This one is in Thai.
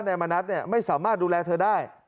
นายมณัฐไม่สามารถดูแลเธอได้